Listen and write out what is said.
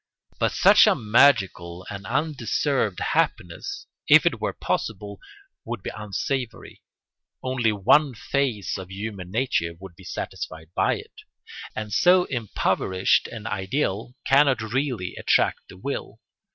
But such a magical and undeserved happiness, if it were possible, would be unsavoury: only one phase of human nature would be satisfied by it, and so impoverished an ideal cannot really attract the will.